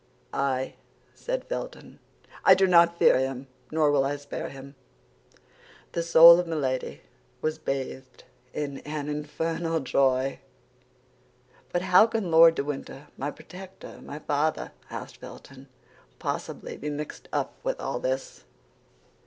"I," said Felton, "I do not fear him, nor will I spare him." The soul of Milady was bathed in an infernal joy. "But how can Lord de Winter, my protector, my father," asked Felton, "possibly be mixed up with all this?"